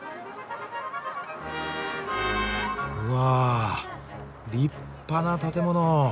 うわ立派な建物。